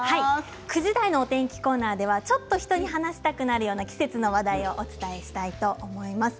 ９時台のお天気コーナーでは、ちょっと人に話したくなるような季節の話題をお伝えしたいと思います。